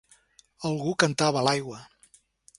Algú cantava a l'aigua.